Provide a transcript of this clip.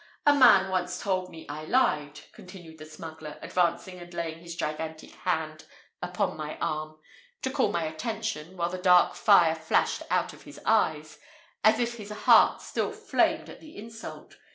A man once told me I lied," continued the smuggler, advancing and laying his gigantic hand upon my arm, to call my attention, while the dark fire flashed out of his eyes, as if his heart still flamed at the insult.